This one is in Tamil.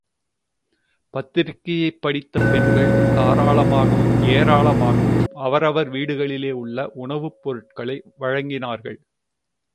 பத்திரிக்கையைப் படித்த பெண்கள், தாராளமாகவும், ஏராளமாகவும் அவரவர் வீடுகளிலே உள்ள உணவுப் பொருட்களை வழங்கினார்கள்.